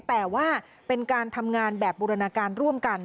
แต่ว่าเป็นการทำงานแบบบูรณาการร่วมกัน